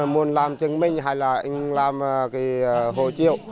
muốn làm chứng minh hay là anh làm cái hộ triệu